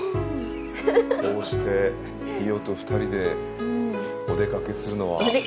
こうして伊代と２人でお出かけするのは。